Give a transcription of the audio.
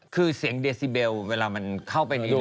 คือเสียงเดซิเบลเวลามันเข้าไปในรู